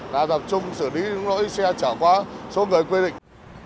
là tập trung xử lý những nỗi xe trả qua số người quy định